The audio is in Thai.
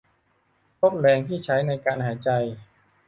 ลดแรงที่ใช้ในการหายใจ